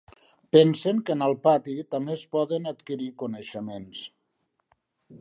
Pensen que en el pati també es poden adquirir coneixements.